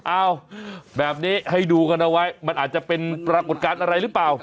อ้าวแบบนี้ให้ดูกันเอาไว้มันอาจจะเป็นปรากฏการณ์อะไรหรือเปล่า